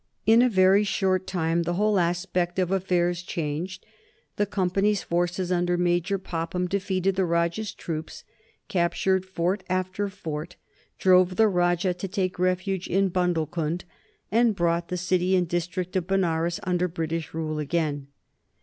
In a very short time the whole aspect of affairs changed. The Company's forces under Major Popham defeated the Rajah's troops, captured fort after fort, drove the Rajah to take refuge in Bundelcund, and brought the city and district of Benares under British rule again.